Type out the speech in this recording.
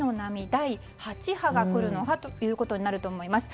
第８波が来るのかということになると思います。